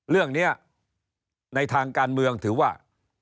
เรื่องนี้ในทางการเมืองถือว่า